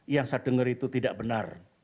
yang saya dengar itu tidak benar